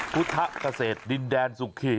พุทธะเศรษฐ์ดินแดนสุขี